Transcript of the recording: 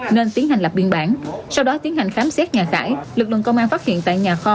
nên tiến hành lập biên bản sau đó tiến hành khám xét nhà tải lực lượng công an phát hiện tại nhà kho